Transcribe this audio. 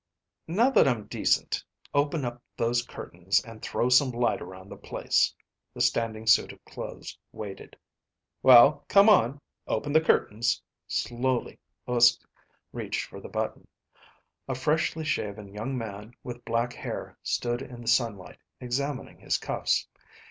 "Now that I'm decent, open up those curtains and throw some light around the place." The standing suit of clothes waited. "Well, come on, open the curtains." Slowly Uske reached for the button. A freshly shaven young man with black hair stood in the sunlight, examining his cuffs.